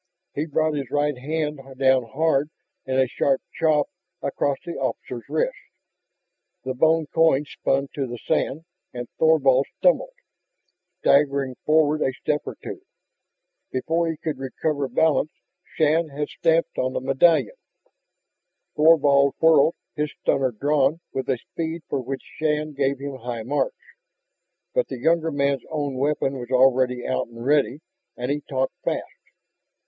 He brought his right hand down hard in a sharp chop across the officer's wrists. The bone coin spun to the sand and Thorvald stumbled, staggering forward a step or two. Before he could recover balance Shann had stamped on the medallion. Thorvald whirled, his stunner drawn with a speed for which Shann gave him high marks. But the younger man's own weapon was already out and ready. And he talked fast.